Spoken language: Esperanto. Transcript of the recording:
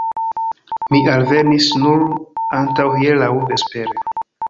Mi alvenis nur antaŭhieraŭ vespere.